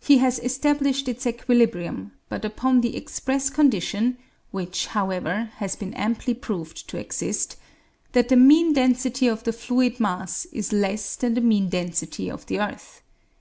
He has established its equilibrium, but upon the express condition (which, however, has been amply proved to exist) that the mean density of the fluid mass is less than the mean density of the earth.